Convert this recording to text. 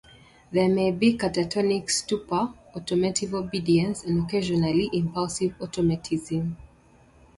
There may be catatonic stupor, automatic obedience, and occasionally impulsive automatism.